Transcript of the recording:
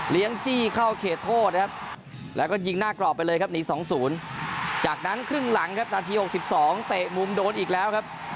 จี้เข้าเขตโทษนะครับแล้วก็ยิงหน้ากรอบไปเลยครับหนี๒๐จากนั้นครึ่งหลังครับนาที๖๒เตะมุมโดนอีกแล้วครับ